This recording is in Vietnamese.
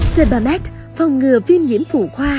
c ba meth phong ngừa viêm nhiễm phụ khoa